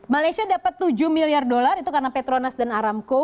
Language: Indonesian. malaysia dapat tujuh miliar dolar itu karena petronas dan aramco